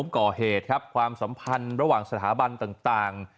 ก่อเหตุครับความสัมพันธ์ระหว่างสถาบันต่าง